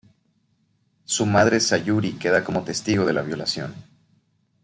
Su madre Sayuri queda como testigo de la violación.